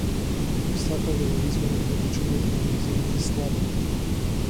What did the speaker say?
Би сакал да ја измерам длабочината на нејзината слава.